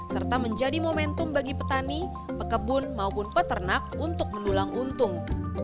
serta menjadi momentum bagi petani pekebun maupun peternak untuk mendulang untung